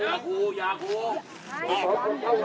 เรามาเพื่อป้องกันบุญศาสนาแล้วเราจะพูดด้วยกันนะครับ